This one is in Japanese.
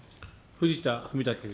藤田文武君。